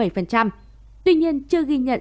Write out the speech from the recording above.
tuy nhiên chưa ghi nhận